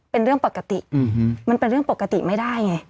เป็นเรื่องปกติมันเป็นเรื่องปกติไม่ได้ไง